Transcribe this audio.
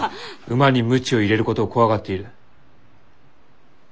馬に鞭を入れることを怖がっている。